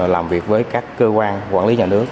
làm việc với các cơ quan quản lý nhà nước